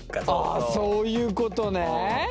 ああそういうことね。